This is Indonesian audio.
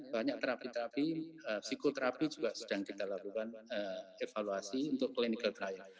banyak terapi terapi psikoterapi juga sedang kita lakukan evaluasi untuk clinical trial